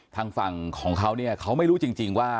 ทางฝั่งของเขาเนี่ยเขาไม่รู้จริงว่า